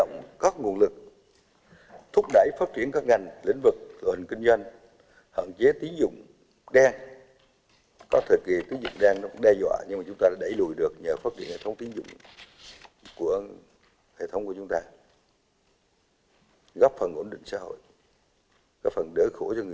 góp phần ổn định xã hội góp phần đỡ khổ cho người dân